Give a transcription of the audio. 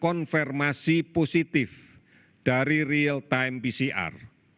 konfirmasi positif dari real time pcr